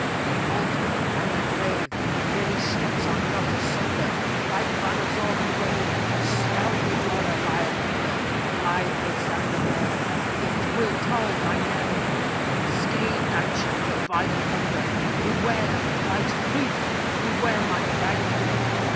"The altar and the grave Many steps are not asunder; Bright banners o'er thee wave, Shrouded horror lieth under. Blithe may sound the bell, Yet 'twill toll thy knell; Scathed thy chaplet by the thunder Beware that blighted wreath!" Beware my bridal day!